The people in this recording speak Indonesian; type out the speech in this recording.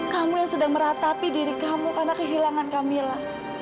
kamu yang sedang meratapi diri kamu karena kehilangan kamila